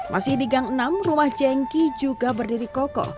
masih di gang enam rumah jengki juga berdiri kokoh